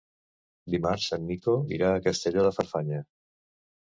Dimarts en Nico irà a Castelló de Farfanya.